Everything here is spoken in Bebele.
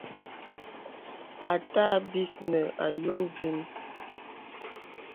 Àtâ bis nə àyo zinə.